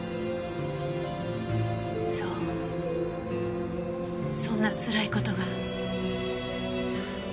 そうそんなつらい事が。